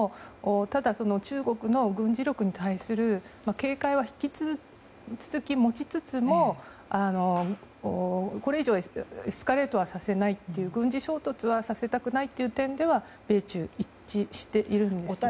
ただ中国の軍事力に対する警戒は引き続き持ちつつもこれ以上はエスカレートはさせないという軍事衝突はさせたくないという点では米中一致しているんですね。